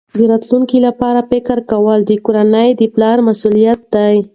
د راتلونکي لپاره فکر کول د کورنۍ د پلار مسؤلیت دی.